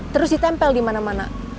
terus ditempel dimana mana